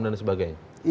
dan lain sebagainya